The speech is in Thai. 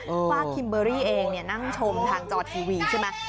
ว่าคิมเบอรี่เองนั่งชมทางจอทีวีใช่ไหม